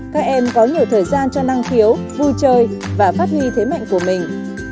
các em có nhiều thời gian cho năng khiếu vui chơi và phát huy thế mạnh của mình